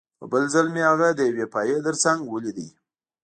په بل ځل مې هغه د یوې پایې ترڅنګ ولیده